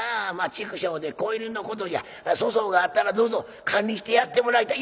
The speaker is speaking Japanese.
畜生で子犬のことじゃ粗相があったらどうぞ堪忍してやってもらいたい」。